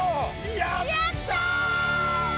やった！